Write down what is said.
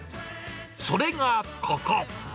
それがここ。